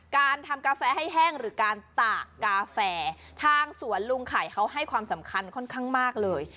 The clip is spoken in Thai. การทำกาแฟให้แห้งหรือการตากกาแฟทางสวนลุงไข่เขาให้ความสำคัญค่อนข้างมากเลย